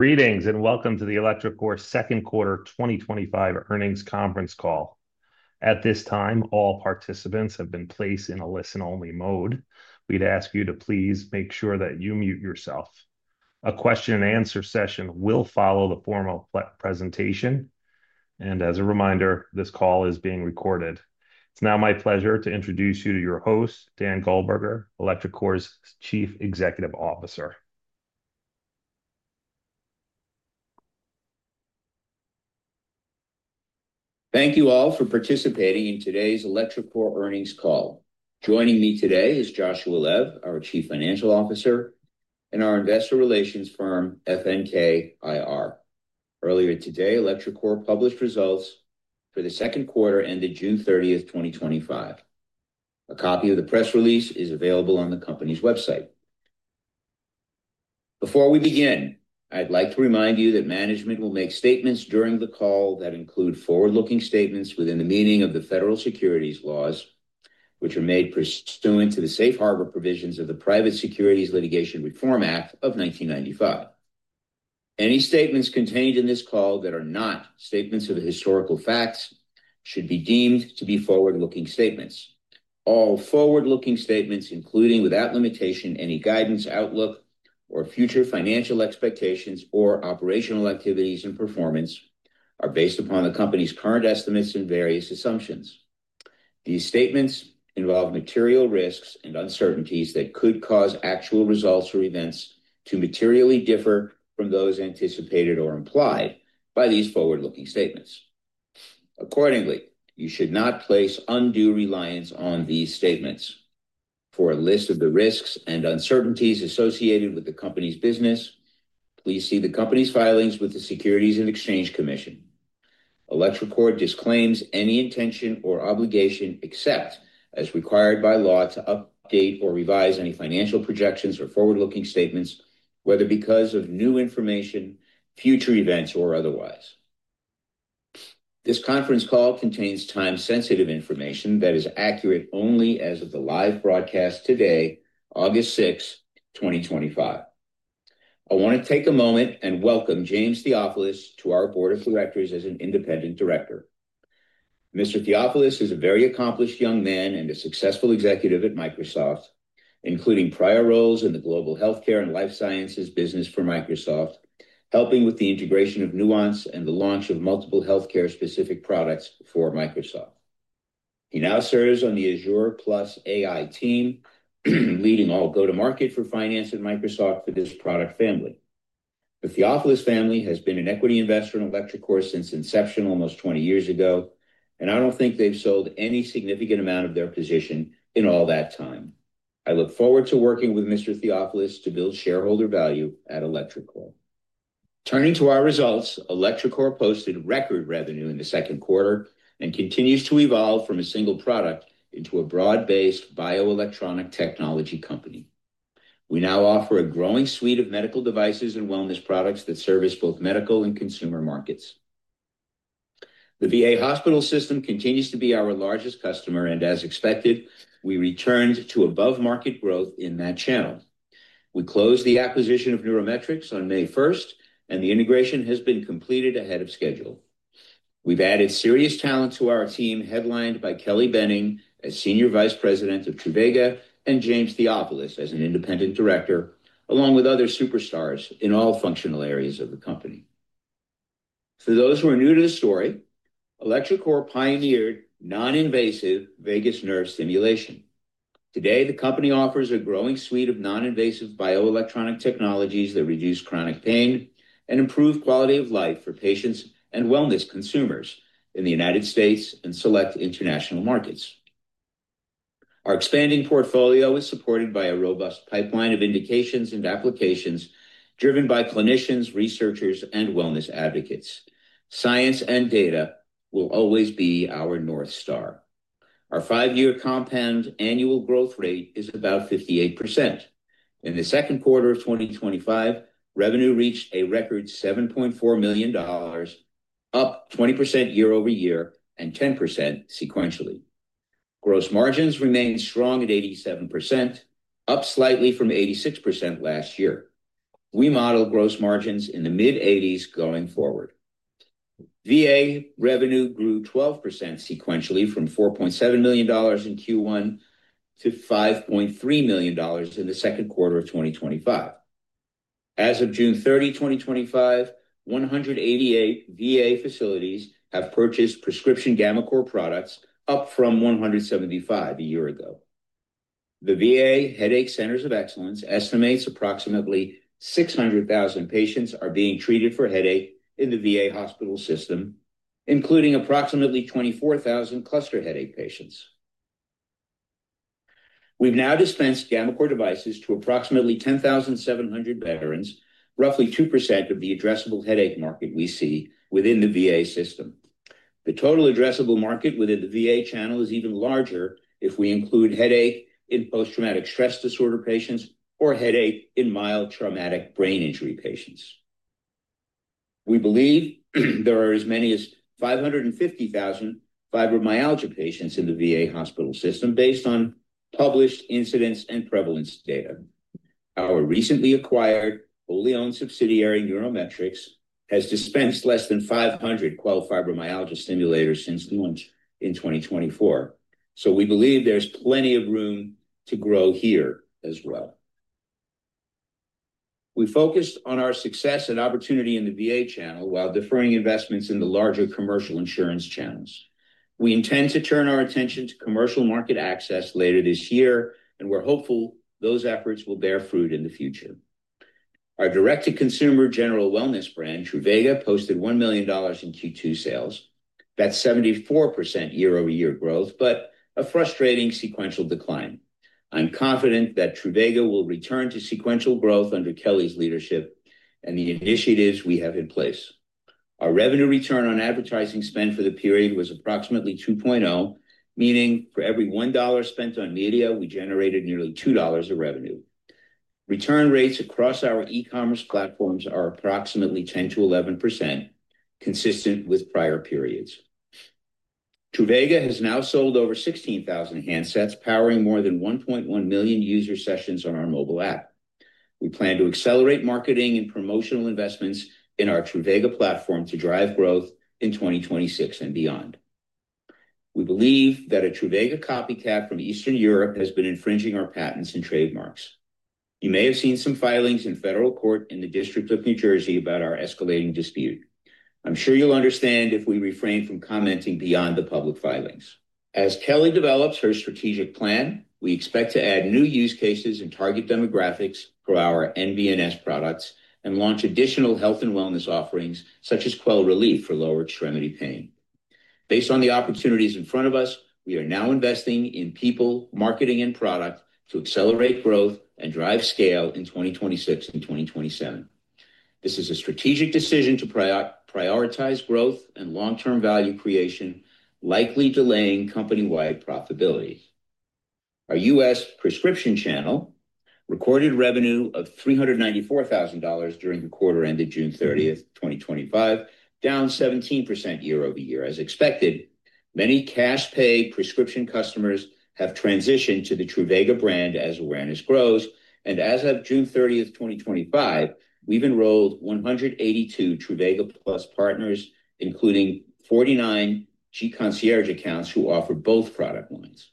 Greetings and welcome to the electroCore Second Quarter 2025 Earnings Conference Call. At this time, all participants have been placed in a listen-only mode. We'd ask you to please make sure that you mute yourself. A question and answer session will follow the formal presentation. As a reminder, this call is being recorded. It's now my pleasure to introduce you to your host, Dan Goldberger, electroCore's Chief Executive Officer. Thank you all for participating in today's electroCore earnings call. Joining me today is Joshua Lev, our Chief Financial Officer, and our investor relations firm, FNK IR. Earlier today, electroCore published results for the second quarter ended June 30th, 2025. A copy of the press release is available on the company's website. Before we begin, I'd like to remind you that management will make statements during the call that include forward-looking statements within the meaning of the Federal Securities Laws, which are made pursuant to the Safe Harbor provisions of the Private Securities Litigation Reform Act of 1995. Any statements contained in this call that are not statements of historical facts should be deemed to be forward-looking statements. All forward-looking statements, including without limitation any guidance, outlook, or future financial expectations or operational activities and performance, are based upon the company's current estimates and various assumptions. These statements involve material risks and uncertainties that could cause actual results or events to materially differ from those anticipated or implied by these forward-looking statements. Accordingly, you should not place undue reliance on these statements. For a list of the risks and uncertainties associated with the company's business, please see the company's filings with the Securities and Exchange Commission. ElectroCore disclaims any intention or obligation, except as required by law, to update or revise any financial projections or forward-looking statements, whether because of new information, future events, or otherwise. This conference call contains time-sensitive information that is accurate only as of the live broadcast today, August 6, 2025. I want to take a moment and welcome James Theofilos to our Board of Directors as an Independent Director. Mr. Theofilos is a very accomplished young man and a successful executive at Microsoft, including prior roles in the global healthcare and life sciences business for Microsoft, helping with the integration of Nuance and the launch of multiple healthcare-specific products for Microsoft. He now serves on the Azure Plus AI team, leading all go-to-market for finance at Microsoft for this product family. The Theofilos family has been an equity investor in electroCore since inception, almost 20 years ago, and I don't think they've sold any significant amount of their position in all that time. I look forward to working with Mr. Theofilos to build shareholder value at electroCore. Turning to our results, electroCore posted record revenue in the second quarter and continues to evolve from a single product into a broad-based bioelectronic technology company. We now offer a growing suite of medical devices and wellness products that service both medical and consumer markets. The VA hospital system continues to be our largest customer, and as expected, we returned to above-market growth in that channel. We closed the acquisition of NeuroMetrix on May 1, and the integration has been completed ahead of schedule. We've added serious talent to our team, headlined by Kelly Benning as Senior Vice President of Truvaga and James Theofilos as an Independent Director, along with other superstars in all functional areas of the company. For those who are new to the story, electroCore pioneered non-invasive vagus nerve stimulation. Today, the company offers a growing suite of non-invasive bioelectronic technologies that reduce chronic pain and improve quality of life for patients and wellness consumers in the U.S. and select international markets. Our expanding portfolio is supported by a robust pipeline of indications and applications driven by clinicians, researchers, and wellness advocates. Science and data will always be our North Star. Our five-year compound annual growth rate is about 58%. In the second quarter of 2025, revenue reached a record $7.4 million, up 20% year-over-year and 10% sequentially. Gross margins remain strong at 87%, up slightly from 86% last year. We model gross margins in the mid-80s going forward. VA revenue grew 12% sequentially from $4.7 million in Q1 to $5.3 million in the second quarter of 2025. As of June 30, 2025, 188 VA facilities have purchased prescription gammaCore products, up from 175 a year ago. The VA Headache Centers of Excellence estimates approximately 600,000 patients are being treated for headache in the VA hospital system, including approximately 24,000 cluster headache patients. We've now dispensed gammaCore devices to approximately 10,700 veterans, roughly 2% of the addressable headache market we see within the VA system. The total addressable market within the VA channel is even larger if we include headache in post-traumatic stress disorder patients or headache in mild traumatic brain injury patients. We believe there are as many as 550,000 fibromyalgia patients in the VA hospital system based on published incidence and prevalence data. Our recently acquired, wholly owned subsidiary NeuroMetrix has dispensed less than 500 qualified fibromyalgia stimulators since launch in 2024. We believe there's plenty of room to grow here as well. We focus on our success and opportunity in the VA channel while deferring investments in the larger commercial insurance channels. We intend to turn our attention to commercial market access later this year, and we're hopeful those efforts will bear fruit in the future. Our direct-to-consumer general wellness brand, Truvaga, posted $1 million in Q2 sales. That's 74% year-over-year growth, but a frustrating sequential decline. I'm confident that Truvaga will return to sequential growth under Kelly's leadership and the initiatives we have in place. Our revenue return on advertising spend for the period was approximately $2.0, meaning for every $1 spent on media, we generated nearly $2 of revenue. Return rates across our e-commerce platforms are approximately 10%-11%, consistent with prior periods. Truvaga has now sold over 16,000 handsets, powering more than 1.1 million user sessions on our mobile app. We plan to accelerate marketing and promotional investments in our Truvaga platform to drive growth in 2026 and beyond. We believe that a Truvaga copycat from Eastern Europe has been infringing our patents and trademarks. You may have seen some filings in federal court in the District of New Jersey about our escalating dispute. I'm sure you'll understand if we refrain from commenting beyond the public filings. As Kelly develops her strategic plan, we expect to add new use cases and target demographics for our nVNS products and launch additional health and wellness offerings, such as Quell Relief for lower extremity pain. Based on the opportunities in front of us, we are now investing in people, marketing, and product to accelerate growth and drive scale in 2026 and 2027. This is a strategic decision to prioritize growth and long-term value creation, likely delaying company-wide profitability. Our U.S. prescription channel recorded revenue of $394,000 during the quarter ended June 30th, 2025, down 17% year-over-year. As expected, many cash-pay prescription customers have transitioned to the Truvaga brand as awareness grows, and as of June 30th, 2025, we've enrolled 182 Truvaga Plus partners, including 49 gConcierge accounts who offer both product lines.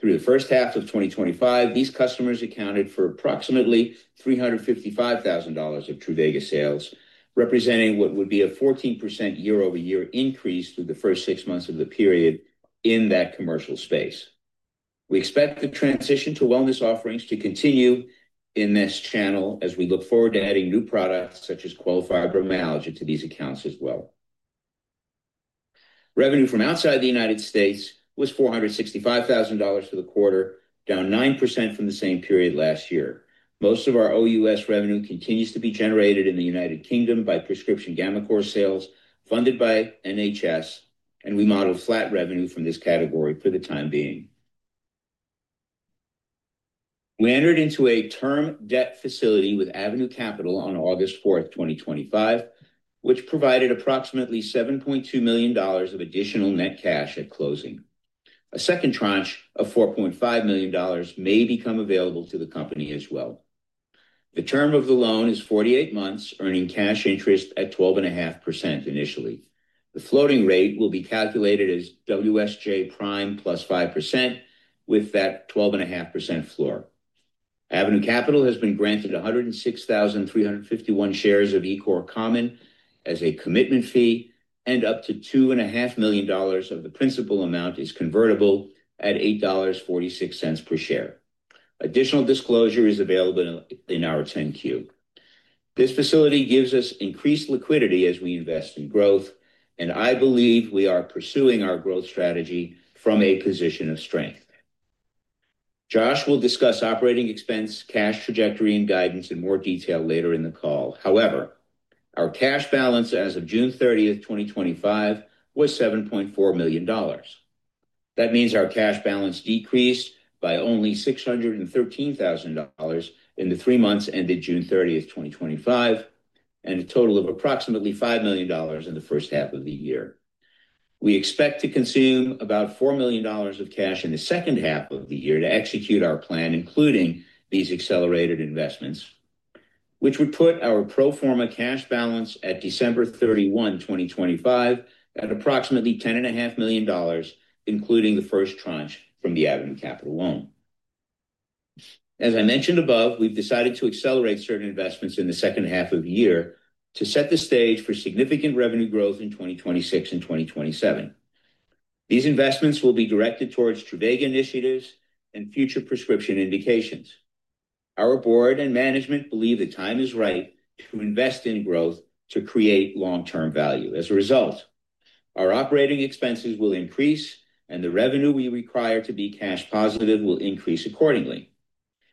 Through the first half of 2025, these customers accounted for approximately $355,000 of Truvaga sales, representing what would be a 14% year-over-year increase through the first six months of the period in that commercial space. We expect the transition to wellness offerings to continue in this channel as we look forward to adding new products such as Quell Relief for fibromyalgia to these accounts as well. Revenue from outside the U.S. was $465,000 for the quarter, down 9% from the same period last year. Most of our OUS revenue continues to be generated in the UK by prescription gammaCore sales funded by NHS, and we model flat revenue from this category for the time being. We entered into a term debt facility with Avenue Capital on August 4th, 2025, which provided approximately $7.2 million of additional net cash at closing. A second tranche of $4.5 million may become available to the company as well. The term of the loan is 48 months, earning cash interest at 12.5% initially. The floating rate will be calculated as WSJ Prime plus 5% with that 12.5% floor. Avenue Capital has been granted 106,351 shares of ECOR common as a commitment fee, and up to $2.5 million of the principal amount is convertible at $8.46 per share. Additional disclosure is available in our 10-Q. This facility gives us increased liquidity as we invest in growth, and I believe we are pursuing our growth strategy from a position of strength. Josh will discuss operating expense, cash trajectory, and guidance in more detail later in the call. However, our cash balance as of June 30th, 2025, was $7.4 million. That means our cash balance decreased by only $613,000 in the three months ended June 30th, 2025, and a total of approximately $5 million in the first half of the year. We expect to consume about $4 million of cash in the second half of the year to execute our plan, including these accelerated investments, which would put our pro forma cash balance at December 31, 2025, at approximately $10.5 million, including the first tranche from the Avenue Capital loan. As I mentioned above, we've decided to accelerate certain investments in the second half of the year to set the stage for significant revenue growth in 2026 and 2027. These investments will be directed towards Truvaga initiatives and future prescription indications. Our Board and management believe the time is right to invest in growth to create long-term value. As a result, our operating expenses will increase, and the revenue we require to be cash positive will increase accordingly.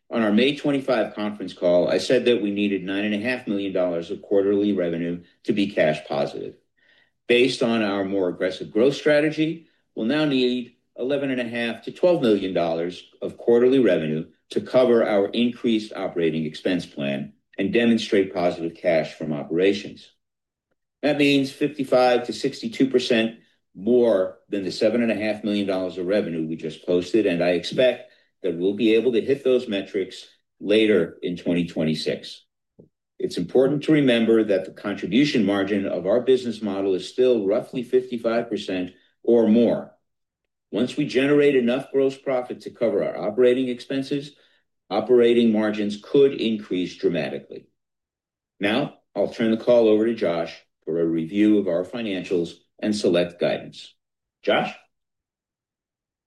On our May 25 conference call, I said that we needed $9.5 million of quarterly revenue to be cash positive. Based on our more aggressive growth strategy, we'll now need $11.5 million-$12 million of quarterly revenue to cover our increased operating expense plan and demonstrate positive cash from operations. That means 55%-62% more than the $7.5 million of revenue we just posted, and I expect that we'll be able to hit those metrics later in 2026. It's important to remember that the contribution margin of our business model is still roughly 55% or more. Once we generate enough gross profit to cover our operating expenses, operating margins could increase dramatically. Now, I'll turn the call over to Josh for a review of our financials and select guidance. Josh?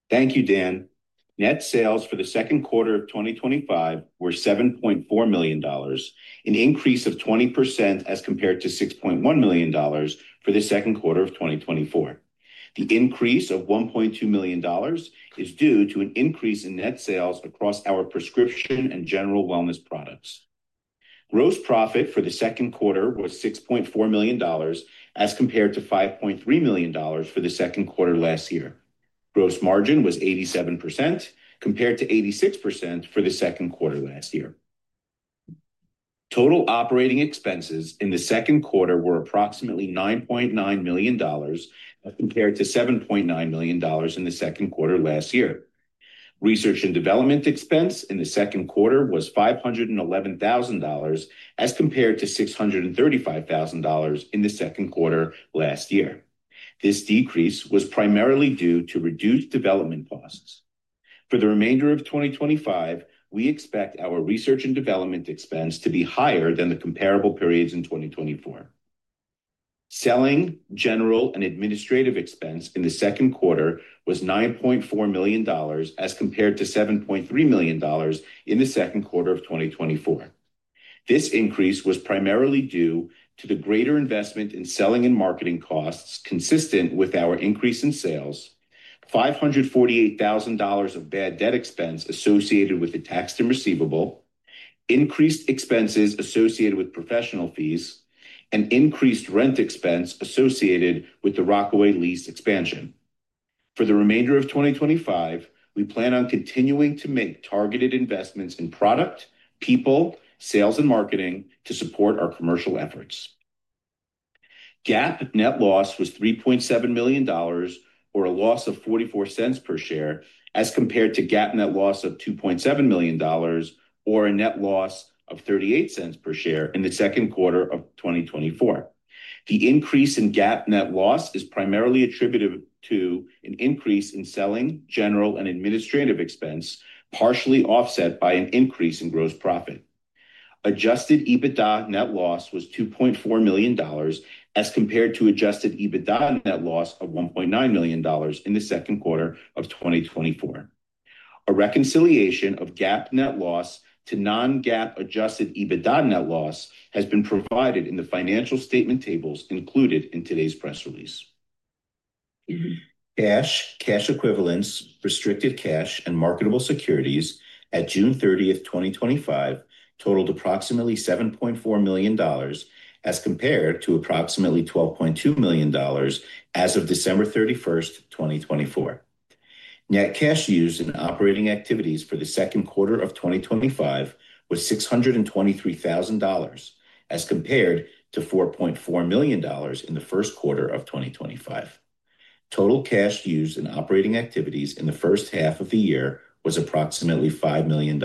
Thank you, Dan. Net sales for the second quarter of 2025 were $7.4 million, an increase of 20% as compared to $6.1 million for the second quarter of 2024. The increase of $1.2 million is due to an increase in net sales across our prescription and general wellness products. Gross profit for the second quarter was $6.4 million as compared to $5.3 million for the second quarter last year. Gross margin was 87% compared to 86% for the second quarter last year. Total operating expenses in the second quarter were approximately $9.9 million compared to $7.9 million in the second quarter last year. Research and development expense in the second quarter was $511,000 as compared to $635,000 in the second quarter last year. This decrease was primarily due to reduced development costs. For the remainder of 2025, we expect our research and development expense to be higher than the comparable periods in 2024. Selling, general, and administrative expense in the second quarter was $9.4 million as compared to $7.3 million in the second quarter of 2024. This increase was primarily due to the greater investment in selling and marketing costs, consistent with our increase in sales, $548,000 of bad debt expense associated with the taxed and receivable, increased expenses associated with professional fees, and increased rent expense associated with the Rockaway lease expansion. For the remainder of 2025, we plan on continuing to make targeted investments in product, people, sales, and marketing to support our commercial efforts. GAAP net loss was $3.7 million, or a loss of $0.44 per share, as compared to GAAP net loss of $2.7 million, or a net loss of $0.38 per share in the second quarter of 2024. The increase in GAAP net loss is primarily attributed to an increase in selling, general, and administrative expense, partially offset by an increase in gross profit. Adjusted EBITDA net loss was $2.4 million, as compared to adjusted EBITDA net loss of $1.9 million in the second quarter of 2024. A reconciliation of GAAP net loss to non-GAAP adjusted EBITDA net loss has been provided in the financial statement tables included in today's press release. Cash, cash equivalents, restricted cash, and marketable securities at June 30th, 2025, totaled approximately $7.4 million, as compared to approximately $12.2 million as of December 31st, 2024. Net cash used in operating activities for the second quarter of 2025 was $623,000, as compared to $4.4 million in the first quarter of 2025. Total cash used in operating activities in the first half of the year was approximately $5 million.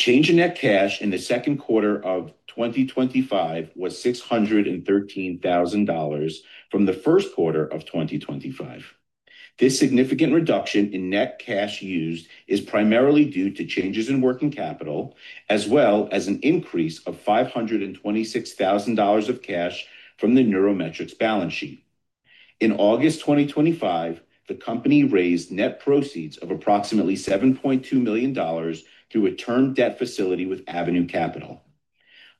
Change in net cash in the second quarter of 2025 was $613,000 from the first quarter of 2025. This significant reduction in net cash used is primarily due to changes in working capital, as well as an increase of $526,000 of cash from the NeuroMetrix balance sheet. In August 2025, the company raised net proceeds of approximately $7.2 million through a term debt facility with Avenue Capital.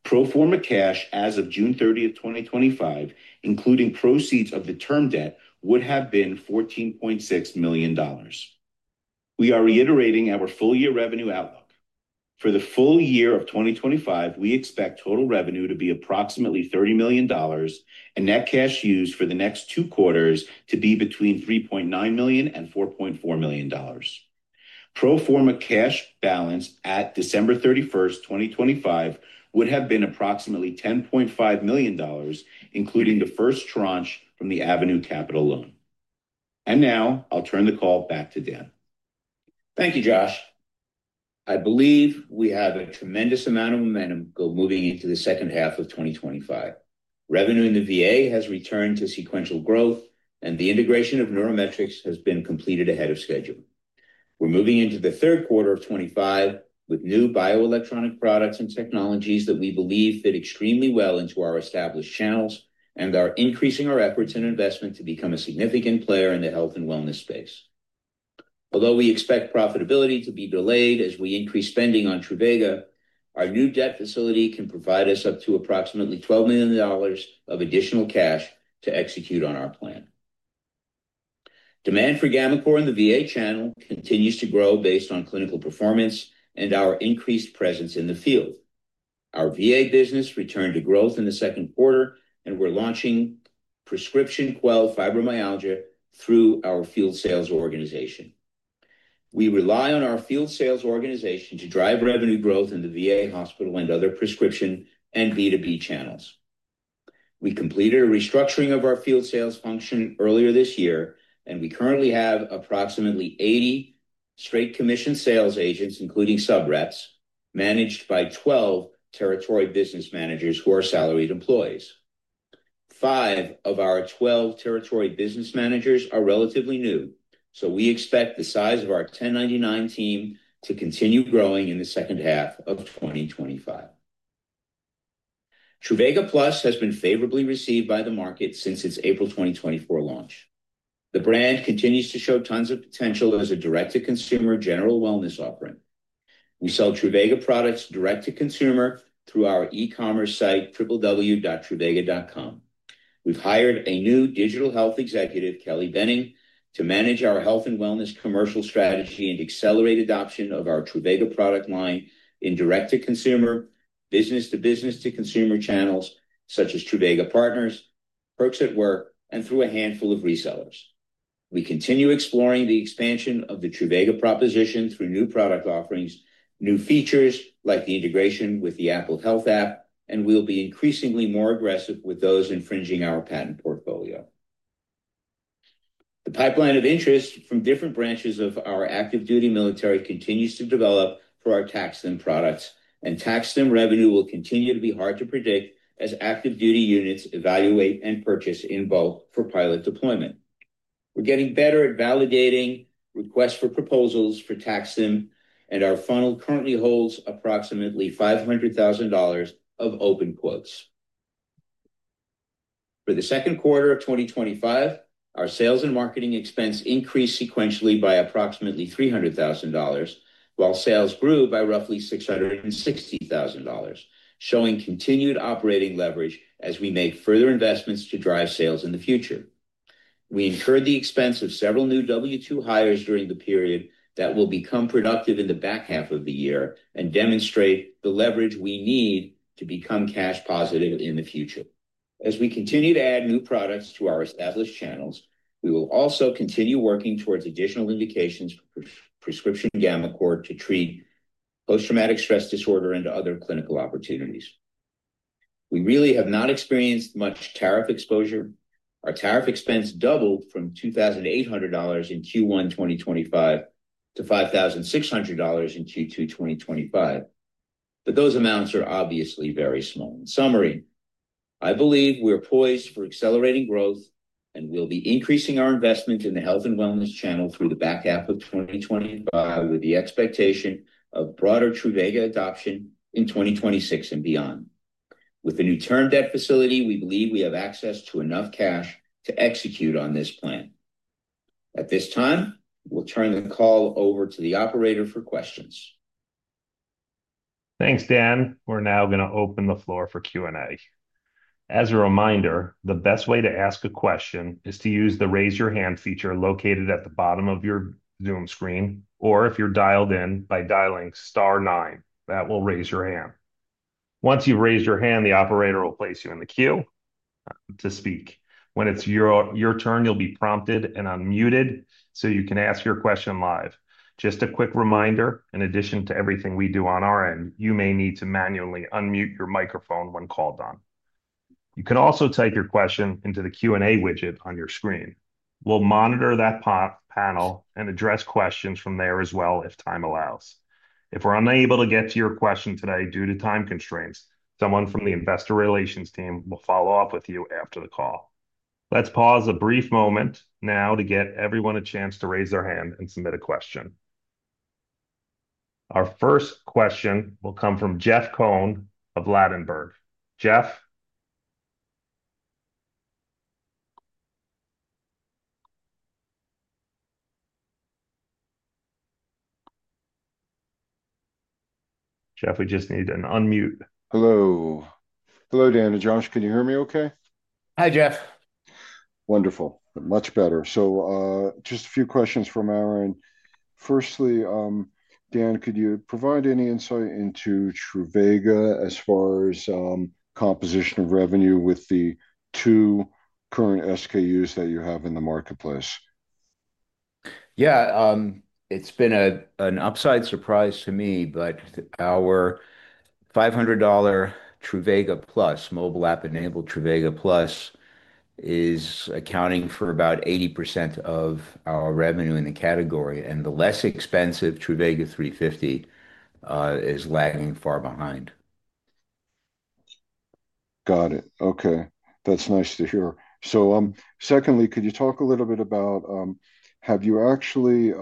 Pro forma cash as of June 30th, 2025, including proceeds of the term debt, would have been $14.6 million. We are reiterating our full-year revenue outlook. For the full year of 2025, we expect total revenue to be approximately $30 million, and net cash used for the next two quarters to be between $3.9 million and $4.4 million. Pro forma cash balance at December 31st, 2025, would have been approximately $10.5 million, including the first tranche from the Avenue Capital loan. I'll turn the call back to Dan. Thank you, Josh. I believe we have a tremendous amount of momentum going moving into the second half of 2025. Revenue in the VA has returned to sequential growth, and the integration of NeuroMetrix has been completed ahead of schedule. We're moving into the third quarter of 2025 with new bioelectronic products and technologies that we believe fit extremely well into our established channels and are increasing our efforts and investment to become a significant player in the health and wellness space. Although we expect profitability to be delayed as we increase spending on Truvaga, our new term debt facility can provide us up to approximately $12 million of additional cash to execute on our plan. Demand for gammaCore in the VA channel continues to grow based on clinical performance and our increased presence in the field. Our VA business returned to growth in the second quarter, and we're launching prescription Quell Relief for fibromyalgia through our field sales organization. We rely on our field sales organization to drive revenue growth in the VA hospital and other prescription and B2B channels. We completed a restructuring of our field sales function earlier this year, and we currently have approximately 80 straight commission sales agents, including sub reps, managed by 12 Territory Business Managers who are salaried employees. Five of our 12 Territory Business Managers are relatively new, so we expect the size of our 1099 team to continue growing in the second half of 2025. Truvaga Plus has been favorably received by the market since its April 2024 launch. The brand continues to show tons of potential as a direct-to-consumer general wellness offering. We sell Truvaga products direct-to-consumer through our e-commerce site, www.truvaga.com. We've hired a new digital health executive, Kelly Benning, to manage our health and wellness commercial strategy and accelerate adoption of our Truvaga product line in direct-to-consumer, business-to-business-to-consumer channels such as Truvaga partners, perks at work, and through a handful of resellers. We continue exploring the expansion of the Truvaga proposition through new product offerings, new features like the integration with the Apple Health app, and we'll be increasingly more aggressive with those infringing our patent portfolio. The pipeline of interest from different branches of our active duty military continues to develop for our TAC-STIM products, and TAC-STIM revenue will continue to be hard to predict as active duty units evaluate and purchase in bulk for pilot deployment. We're getting better at validating requests for proposals for TAC-STIM, and our funnel currently holds approximately $500,000 of open quotes. For the second quarter of 2025, our sales and marketing expense increased sequentially by approximately $300,000, while sales grew by roughly $660,000, showing continued operating leverage as we make further investments to drive sales in the future. We incurred the expense of several new W-2 hires during the period that will become productive in the back half of the year and demonstrate the leverage we need to become cash positive in the future. As we continue to add new products to our established channels, we will also continue working towards additional indications for prescription gammaCore to treat post-traumatic stress disorder and other clinical opportunities. We really have not experienced much tariff exposure. Our tariff expense doubled from $2,800 in Q1 2025 to $5,600 in Q2 2025, but those amounts are obviously very small. In summary, I believe we're poised for accelerating growth and will be increasing our investment in the health and wellness channel through the back half of 2025, with the expectation of broader Truvaga adoption in 2026 and beyond. With the new term debt facility, we believe we have access to enough cash to execute on this plan. At this time, we'll turn the call over to the operator for questions. Thanks, Dan. We're now going to open the floor for Q&A. As a reminder, the best way to ask a question is to use the raise your hand feature located at the bottom of your Zoom screen, or if you're dialed in by dialing star nine, that will raise your hand. Once you've raised your hand, the operator will place you in the queue to speak. When it's your turn, you'll be prompted and unmuted so you can ask your question live. Just a quick reminder, in addition to everything we do on our end, you may need to manually unmute your microphone when called on. You can also type your question into the Q&A widget on your screen. We'll monitor that panel and address questions from there as well if time allows. If we're unable to get to your question today due to time constraints, someone from the investor relations team will follow up with you after the call. Let's pause a brief moment now to get everyone a chance to raise their hand and submit a question. Our first question will come from Jeff Cohen of Ladenburg. Jeff, we just need an unmute. Hello. Hello, Dan and Josh. Can you hear me okay? Hi, Jeff. Wonderful. Much better. Just a few questions from our end. Firstly, Dan, could you provide any insight into Truvaga as far as composition of revenue with the two current SKUs that you have in the marketplace? Yeah, it's been an upside surprise to me, but our $500 Truvaga Plus mobile app-enabled Truvaga Plus is accounting for about 80% of our revenue in the category, and the less expensive Truvaga 350 is lagging far behind. Got it. Okay. That's nice to hear. Could you talk a little bit about have you actually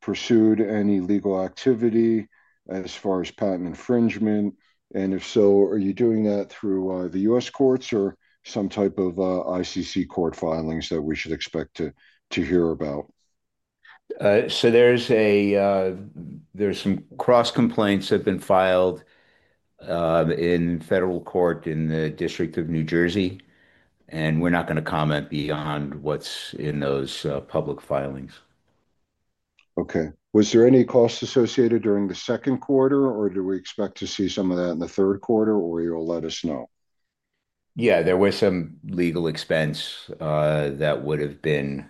pursued any legal activity as far as patent infringement? If so, are you doing that through the U.S. courts or some type of ICC court filings that we should expect to hear about? There are some cross complaints that have been filed in federal court in the District of New Jersey, and we're not going to comment beyond what's in those public filings. Okay. Was there any cost associated during the second quarter, or do we expect to see some of that in the third quarter, or you'll let us know? Yeah, there was some legal expense that would have been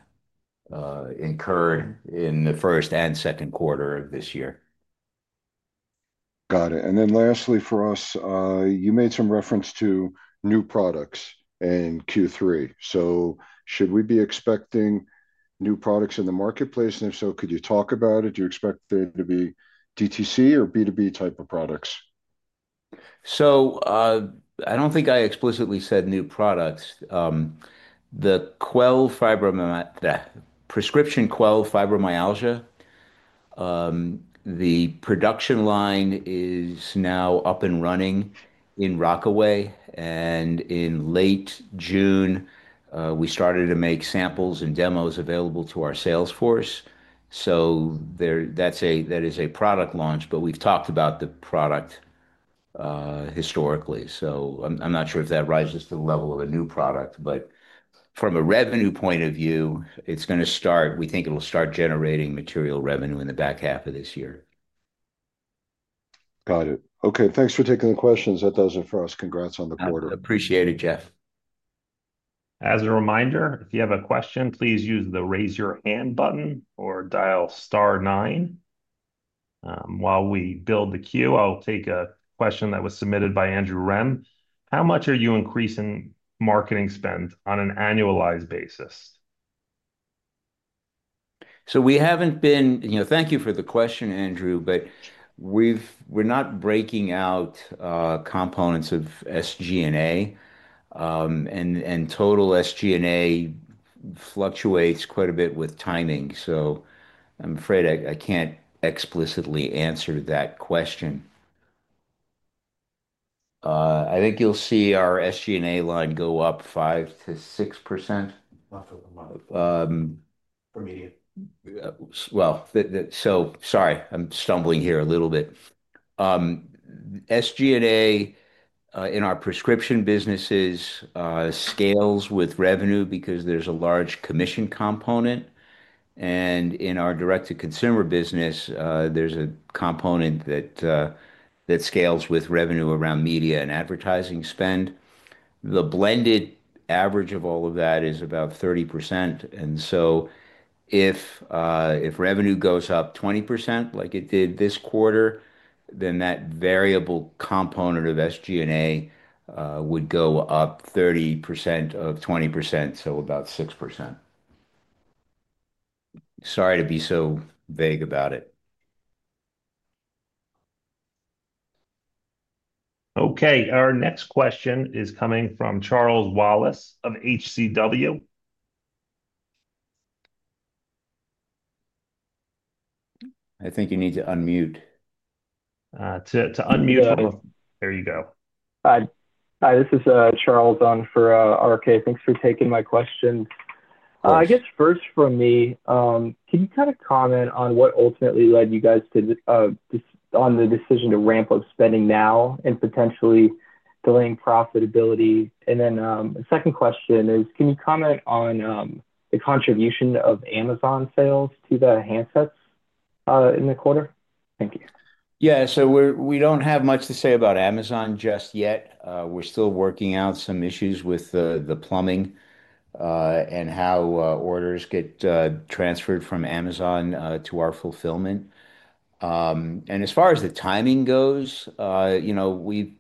incurred in the first and second quarter of this year. Got it. Lastly for us, you made some reference to new products in Q3. Should we be expecting new products in the marketplace? If so, could you talk about it? Do you expect there to be DTC or B2B type of products? I don't think I explicitly said new products. The prescription Quell fibromyalgia, the production line is now up and running in Rockaway, and in late June, we started to make samples and demos available to our sales force. That is a product launch, but we've talked about the product historically. I'm not sure if that rises to the level of a new product, but from a revenue point of view, it's going to start, we think it'll start generating material revenue in the back half of this year. Got it. Okay, thanks for taking the questions. That does it for us. Congrats on the quarter. Appreciate it, Jeff. As a reminder, if you have a question, please use the raise your hand button or dial star nine. While we build the queue, I'll take a question that was submitted by Andrew Ram. How much are you increasing marketing spend on an annualized basis? Thank you for the question, Andrew, but we're not breaking out components of SG&A, and total SG&A fluctuates quite a bit with timing. I'm afraid I can't explicitly answer that question. I think you'll see our SG&A line go up 5%-6%. Per media. SG&A in our prescription businesses scales with revenue because there's a large commission component, and in our direct-to-consumer business, there's a component that scales with revenue around media and advertising spend. The blended average of all of that is about 30%, and if revenue goes up 20% like it did this quarter, then that variable component of SG&A would go up 30% of 20%, so about 6%. Sorry to be so vague about it. Okay. Our next question is coming from Charles Wallace of HCW. I think you need to unmute. To unmute, there you go. Hi, this is Charles Dunn for RK. Thanks for taking my questions. I guess first for me, can you kind of comment on what ultimately led you guys to this on the decision to ramp up spending now and potentially delaying profitability? The second question is, can you comment on the contribution of Amazon sales to the handsets in the quarter? Thank you. Yeah, we don't have much to say about Amazon just yet. We're still working out some issues with the plumbing and how orders get transferred from Amazon to our fulfillment. As far as the timing goes, we've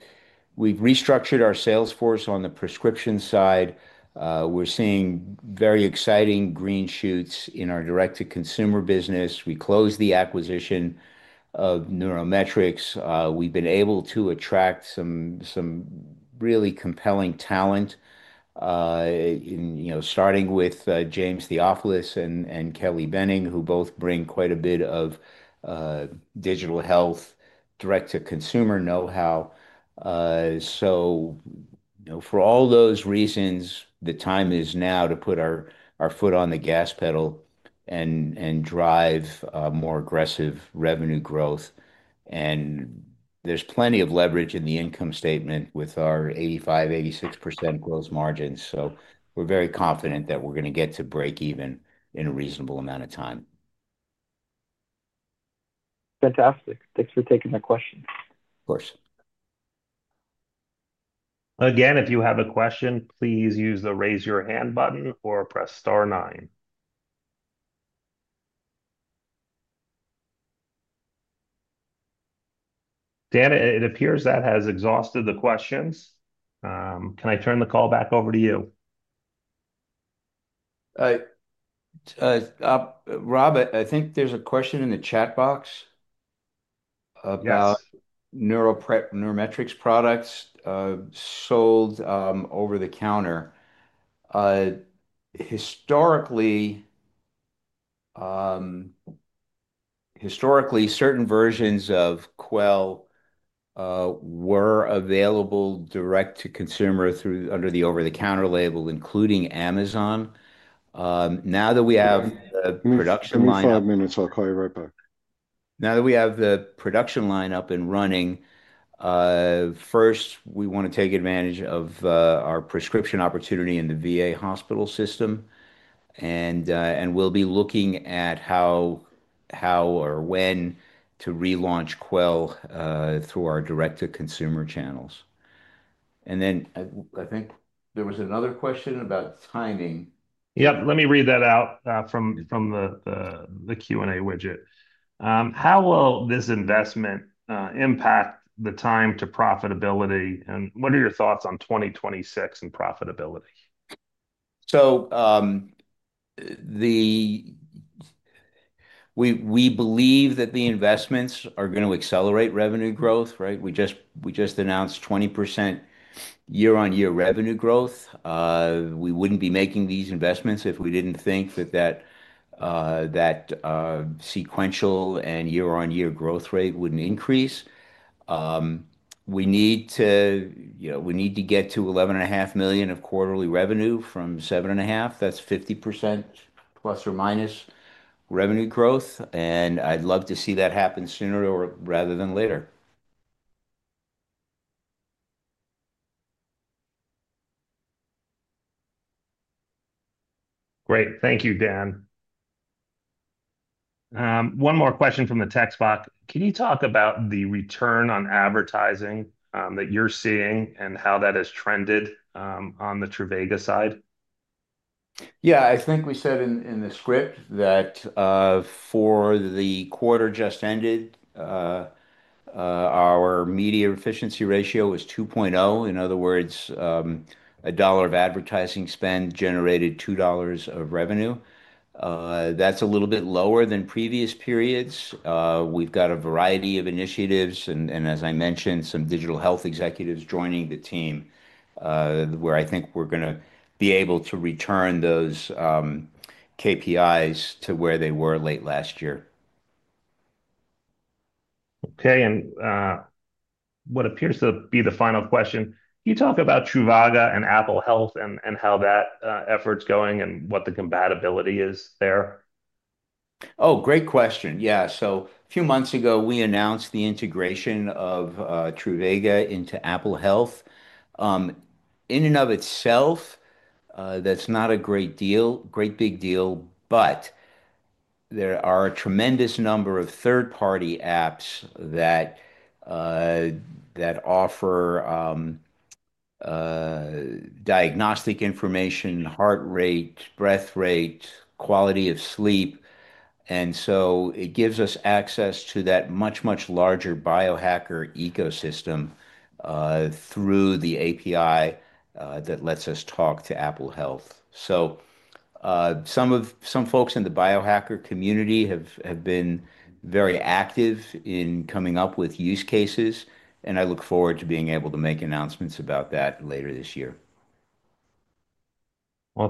restructured our sales force on the prescription side. We're seeing very exciting green shoots in our direct-to-consumer business. We closed the acquisition of NeuroMetrix. We've been able to attract some really compelling talent, starting with James Theofilos and Kelly Benning, who both bring quite a bit of digital health, direct-to-consumer know-how. For all those reasons, the time is now to put our foot on the gas pedal and drive more aggressive revenue growth. There's plenty of leverage in the income statement with our 85%, 86% gross margins. We're very confident that we're going to get to break even in a reasonable amount of time. Fantastic. Thanks for taking my questions. Of course. Again, if you have a question, please use the raise your hand button or press star nine. Dan, it appears that has exhausted the questions. Can I turn the call back over to you? Rob, I think there's a question in the chat box about NeuroMetrix products sold over the counter. Historically, certain versions of Quell were available direct to consumer under the over-the-counter label, including Amazon. Now that we have the production line. Just five minutes, I'll call you right back. Now that we have the production line up and running, first, we want to take advantage of our prescription opportunity in the VA hospital system, and we will be looking at how or when to relaunch Quell Relief through our direct-to-consumer channels. I think there was another question about timing. Let me read that out from the Q&A widget. How will this investment impact the time to profitability, and what are your thoughts on 2026 and profitability? We believe that the investments are going to accelerate revenue growth, right? We just announced 20% year-on-year revenue growth. We wouldn't be making these investments if we didn't think that that sequential and year-on-year growth rate wouldn't increase. We need to get to $11.5 million of quarterly revenue from $7.5 million. That's 50%± revenue growth, and I'd love to see that happen sooner rather than later. Great. Thank you, Dan. One more question from the chat spot. Can you talk about the return on advertising that you're seeing and how that has trended on the Truvaga side? Yeah, I think we said in the script that for the quarter just ended, our media efficiency ratio was 2.0. In other words, a dollar of advertising spend generated $2 of revenue. That's a little bit lower than previous periods. We've got a variety of initiatives, and as I mentioned, some digital health executives joining the team, where I think we're going to be able to return those KPIs to where they were late last year. Okay, and what appears to be the final question, can you talk about Truvaga and Apple Health and how that effort's going and what the compatibility is there? Great question. A few months ago, we announced the integration of Truvaga into Apple Health. In and of itself, that's not a great big deal, but there are a tremendous number of third-party apps that offer diagnostic information, heart rate, breath rate, quality of sleep, and it gives us access to that much, much larger biohacker ecosystem through the API that lets us talk to Apple Health. Some folks in the biohacker community have been very active in coming up with use cases, and I look forward to being able to make announcements about that later this year.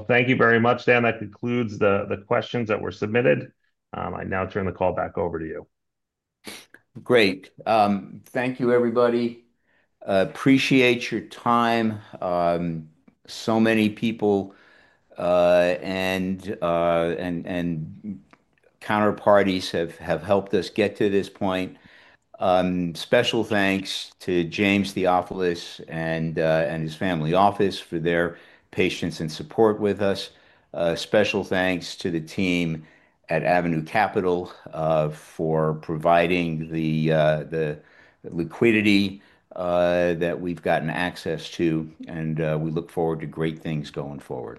Thank you very much, Dan. That concludes the questions that were submitted. I now turn the call back over to you. Great. Thank you, everybody. Appreciate your time. So many people and counterparties have helped us get to this point. Special thanks to James Theofilos and his family office for their patience and support with us. Special thanks to the team at Avenue Capital for providing the liquidity that we've gotten access to, and we look forward to great things going forward.